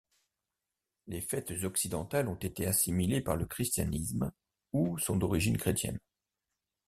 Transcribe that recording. Les fêtes occidentales ont été assimilées par le christianisme ou sont d'origine chrétienne.